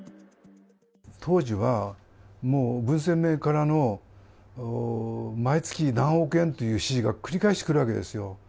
当時はもう、文鮮明からの毎月、何億円っていう指示が繰り返し来るわけですよ。